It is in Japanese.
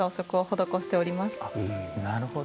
なるほど。